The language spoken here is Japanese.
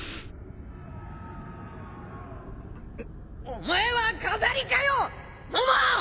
お前は飾りかよモモ！